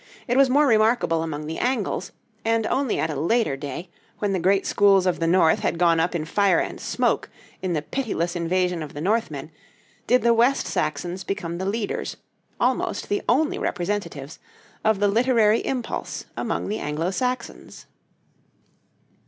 It was more remarkable among the Angles; and only at a later day, when the great schools of the north had gone up in fire and smoke in the pitiless invasion of the Northmen, did the West Saxons become the leaders, almost the only representatives, of the literary impulse among the Anglo Saxons.